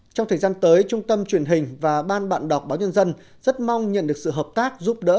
trong thời gian tới trung tâm truyền hình và ban bạn đọc báo nhân dân rất mong nhận được sự hợp tác giúp đỡ